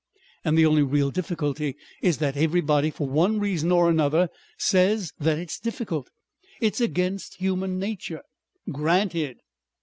And the only real difficulty is that everybody for one reason or another says that it's difficult. It's against human nature. Granted!